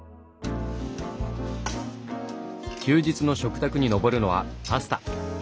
休日の食卓に上るのはパスタ。